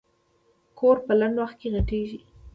کور په لنډ وخت کې غټېږي.